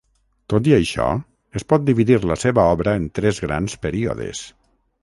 Tot i això, es pot dividir la seva obra en tres grans períodes.